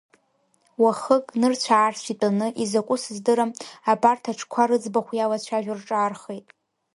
Уахык, нырцә-аарцә итәаны, изакәу сыздырам, абарҭ аҽқәа рыӡбахә иалацәажәо рҿаархеит.